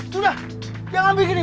sudah jangan bikin ibu sini